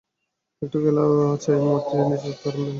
একটু খেলা চায় মতি, নিজের একটু আরাম বিলাস।